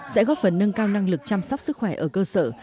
sẽ góp phần nâng cao năng lực chăm sóc sức khỏe ở cơ sở